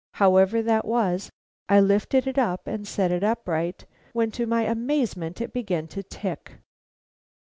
However that was, I lifted it up and set it upright, when to my amazement it began to tick.